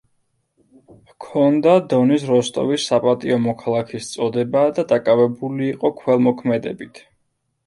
ჰქონდა დონის როსტოვის საპატიო მოქალაქის წოდება და დაკავებული იყო ქველმოქმედებით.